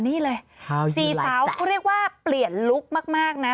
นี่เลยสี่สาวเขาเรียกว่าเปลี่ยนลุคมากนะ